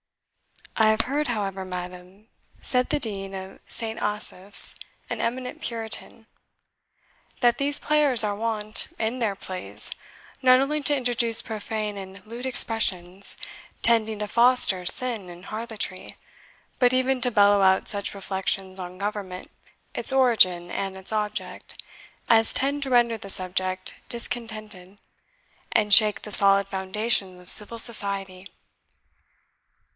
"I have heard, however, madam," said the Dean of St. Asaph's, an eminent Puritan, "that these players are wont, in their plays, not only to introduce profane and lewd expressions, tending to foster sin and harlotry; but even to bellow out such reflections on government, its origin and its object, as tend to render the subject discontented, and shake the solid foundations of civil society.